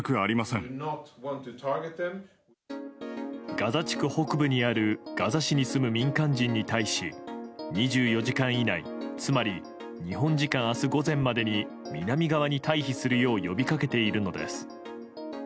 ガザ地区北部にあるガザ市に住む民間人に対し２４時間以内つまり日本時間明日午前までに南側に退避するよう呼びかけているのです。